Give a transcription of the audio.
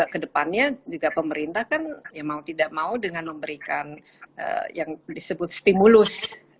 kedepannya juga pemerintah kan mau tidak mau dengan memberikan yang disebut stimulus